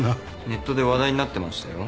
ネットで話題になってましたよ。